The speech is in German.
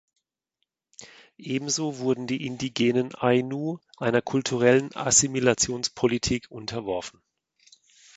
Ebenso wurden die indigenen Ainu einer kulturellen Assimilationspolitik unterworfen.